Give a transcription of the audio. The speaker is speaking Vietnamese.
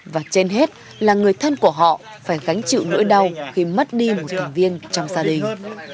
và trên hết là người thân của họ phải gánh chịu nỗi đau khi mất đi một thành viên trong gia đình